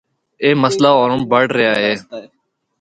اے مسئلہ ہور بڑھ رہیا ہے۔